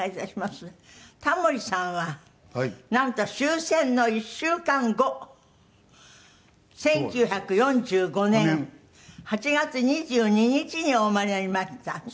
タモリさんはなんと終戦の１週間後１９４５年８月２２日にお生まれになりました。